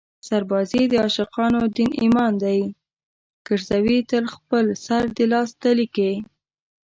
سربازي د عاشقانو دین ایمان دی ګرزوي تل خپل سر د لاس تلي کې